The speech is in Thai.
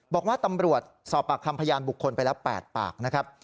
บอกว่าตำรวจสอบปากคำพยานบุคคลไปแล้ว๘ปากนะครับ